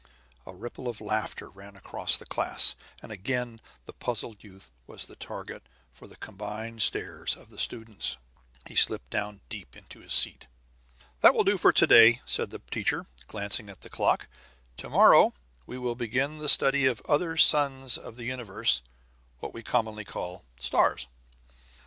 A ripple of laughter ran over the class, and again the puzzled youth was the target for the combined stares of the students. He slipped down deep into his seat. "That will do for to day," said the teacher, glancing at the clock. "Tomorrow we will begin the study of the other suns of the universe what we commonly call stars.